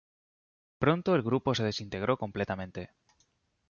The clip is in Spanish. Pronto el grupo se desintegró completamente.